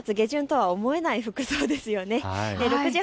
３月下旬とは思えない服装ですよね。